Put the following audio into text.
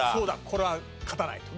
これは勝たないと。